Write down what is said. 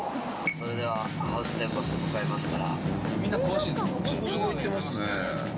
それではハウステンボスに向かいますか。